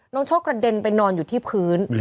โชคกระเด็นไปนอนอยู่ที่พื้น